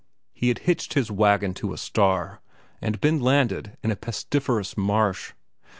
He had hitched his wagon to a star and been landed in a pestiferous marsh.